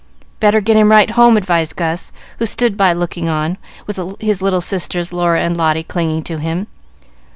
"Better get him right home," advised Gus, who stood by looking on, with his little sisters Laura and Lotty clinging to him.